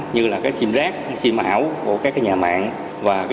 như sim rác sim ảo của các nhà mạng